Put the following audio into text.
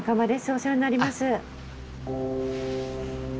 お世話になります。